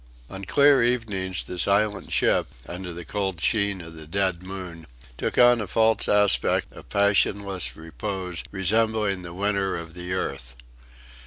On clear evenings the silent ship, under the cold sheen of the dead moon, took on a false aspect of passionless repose resembling the winter of the earth.